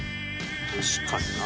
「確かにな。